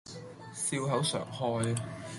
笑口常開